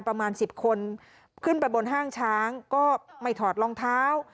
ประมาณ๑๐คนขึ้นไปบนห้างช้างก็ไม่ถอดรองเท้า